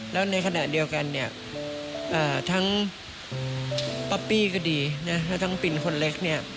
แล้วในขณะเดียวกันเนี่ยทั้งป๊อปปี้ก็ดีนะและทั้งปินคนเล็กเนี่ย